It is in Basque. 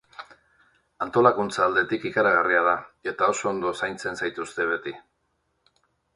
Antolakuntza aldetik ikaragarria da, eta oso ondo zaintzen zaituzte beti.